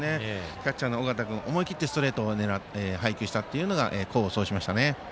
キャッチャーの尾形君思い切ってストレートを配球したのが功を奏しましたね。